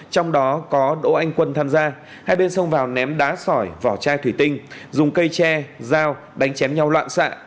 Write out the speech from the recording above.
trong đó có đỗ anh quân tham gia hai bên xông vào ném đá sỏi vỏ chai thủy tinh dùng cây tre dao đánh chém nhau loạn xạ